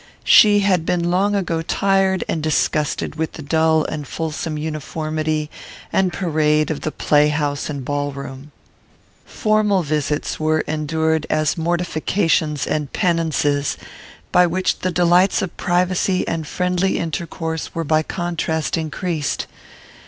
She had been long ago tired and disgusted with the dull and fulsome uniformity and parade of the play house and ballroom. Formal visits were endured as mortifications and penances, by which the delights of privacy and friendly intercourse were by contrast increased.